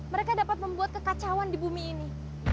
mereka dapat membuat kekacauan di bumi ini